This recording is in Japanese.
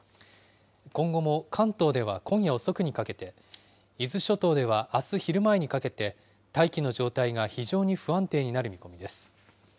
今後も関東では今夜遅くにかけて、伊豆諸島ではあす昼前にかけて、大気の状態が非常に不安定になる見込みです。